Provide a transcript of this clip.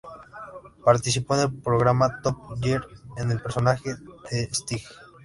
Participó en el programa Top Gear, como el personaje "The Stig.